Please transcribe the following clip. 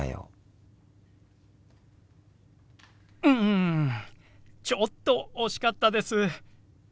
うんちょっと惜しかったです。